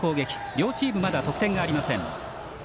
両チームまだ得点がありません。